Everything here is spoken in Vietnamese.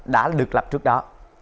đã được lập trước đó